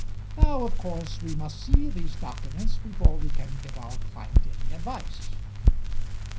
Now of course we must see these documents before we can give our client any advice."